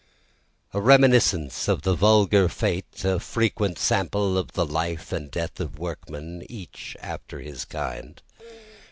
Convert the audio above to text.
4 A reminiscence of the vulgar fate, A frequent sample of the life and death of workmen, Each after his kind.